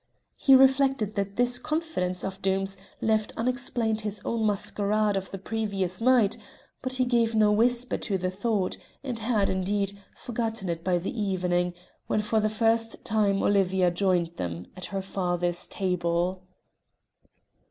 He reflected that this confidence of Doom's left unexplained his own masquerade of the previous night, but he gave no whisper to the thought, and had, indeed, forgotten it by evening, when for the first time Olivia joined them at her father's table.